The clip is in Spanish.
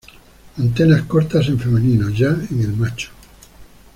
Antenas cortas en femenino, ya en el macho.